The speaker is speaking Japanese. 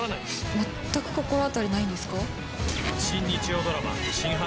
全く心当たりないんですか？